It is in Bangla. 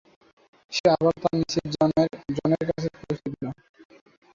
সে আবার তার নিচের জনের কাছে পৌঁছিয়ে দেয়।